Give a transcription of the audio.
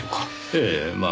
ええまあ。